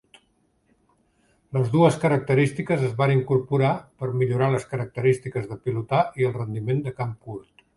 Les dues característiques es van incorporar per millorar les característiques de pilotar i el rendiment de camp curt.